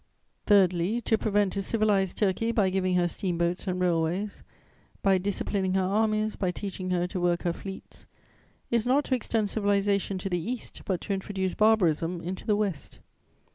Thirdly, to pretend to civilize Turkey by giving her steamboats and railways, by disciplining her armies, by teaching her to work her fleets, is not to extend civilization to the East, but to introduce barbarism into the West.